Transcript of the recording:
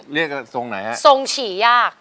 เรียกว่าทรงไหนฮะทรงฉี่ยาก